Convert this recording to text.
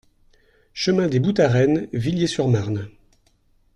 Chemin des Boutareines, Villiers-sur-Marne